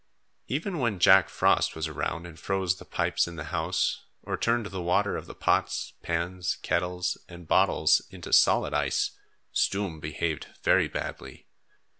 Even when Jack Frost was around and froze the pipes in the house, or turned the water of the pots, pans, kettles and bottles into solid ice, Stoom behaved very badly.